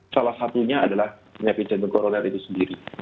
salah satunya adalah penyakit jantung koroner itu sendiri